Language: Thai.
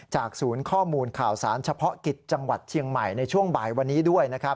ศูนย์ข้อมูลข่าวสารเฉพาะกิจจังหวัดเชียงใหม่ในช่วงบ่ายวันนี้ด้วยนะครับ